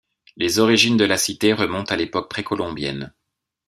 Les origines de la cité remontent à l'époque précolombienne.